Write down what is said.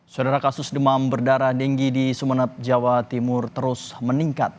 saudara kasus demam berdarah denggi di sumeneb jawa timur terus meningkat